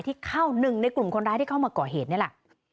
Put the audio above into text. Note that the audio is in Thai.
ที่เข้าหนึ่งในกลุ่มคนร้ายที่เข้ามาก่อเหตุนี่แหละ